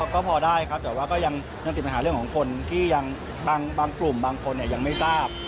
ก็พอได้ครับแต่ว่าก็ยังติดปัญหาเรื่องของคนที่ยังบางกลุ่มบางคนยังไม่ทราบ